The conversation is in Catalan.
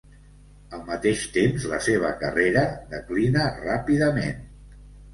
Al mateix temps, la seva carrera declina ràpidament.